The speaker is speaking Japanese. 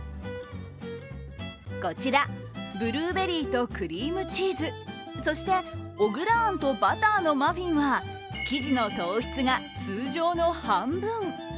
こちらブルーベリーとクリームチーズそして小倉あんとバターのマフィンは生地の糖質が通常の半分。